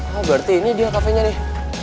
berarti ini dia cafe nya nih